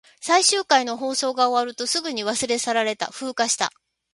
最終回の放送が終わると、すぐに忘れ去られた。風化した。